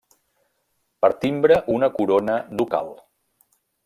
Per timbre una corona ducal.